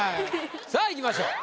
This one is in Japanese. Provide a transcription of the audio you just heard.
さあいきましょう。